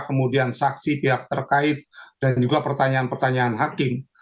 kemudian saksi pihak terkait dan juga pertanyaan pertanyaan hakim